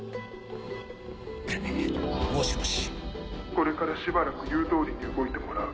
これからしばらく言う通りに動いてもらう。